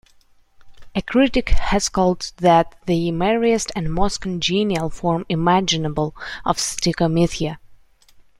A critic has called that "the merriest and most congenial form imaginable" of stichomythia.